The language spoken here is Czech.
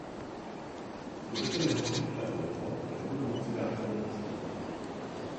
Budete-li hovořit tak dlouho, nebudu moci dát slovo ostatním.